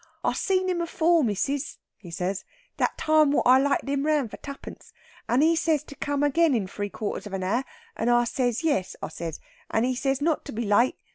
"I see him afore, missis," he says. "That time wot I lighted him round for twopence. And he says to come again in three quarters of an hour. And I says yes, I says. And he says not to be late.